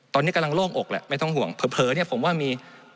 ตอนนี้กำลังโล่งอกแหละไม่ต้องห่วงเผลอเนี่ยผมว่ามี